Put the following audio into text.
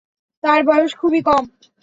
তার বয়স খুবই কম।